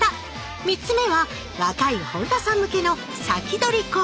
３つ目は若い本田さん向けの「先取りコース」